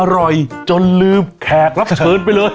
อร่อยจนลืมแขกรับเชิญไปเลย